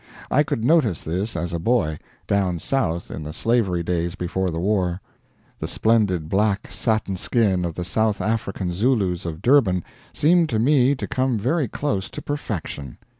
I could notice this as a boy, down South in the slavery days before the war. The splendid black satin skin of the South African Zulus of Durban seemed to me to come very close to perfection.